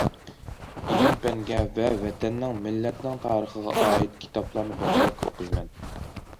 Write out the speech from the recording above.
ئىلىم- پەنگە ۋە ۋەتەننىڭ، مىللەتنىڭ تارىخىغا ئائىت كىتابلارنى بەكرەك ئوقۇيمەن.